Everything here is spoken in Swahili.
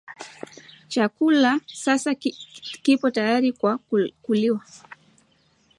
Chakula sasa kipo tayari kwa kuliwa